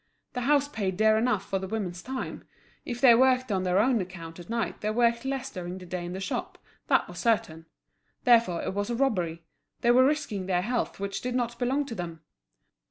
The house paid dear enough for the women's time; if they worked on their own account at night they worked less during the day in the shop, that was certain; therefore it was a robbery, they were risking their health which did not belong to them.